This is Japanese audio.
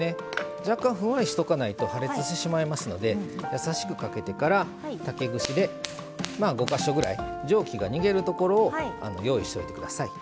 若干ふんわりしとかないと破裂してしまいますので優しくかけてから竹串でまあ５か所ぐらい蒸気が逃げるところを用意しといて下さい。